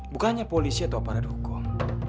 bukannya polisi atau aparat hukum